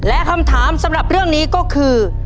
และคำถามสำหรับเรื่องนี้ก็คือ